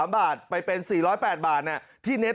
๓บาทไปเป็น๔๐๘บาทที่เน็ต